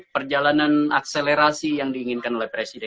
perjalanan akselerasi yang diinginkan oleh presiden